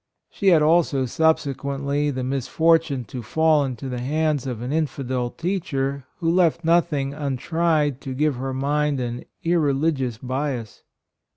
She had also subsequently the misfortune to fall into the hands of an infidel teacher who left nothing untried to give her mind an irreli gious bias.